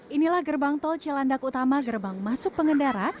inilah gerbang tol cilandak utama gerbang masuk pengendara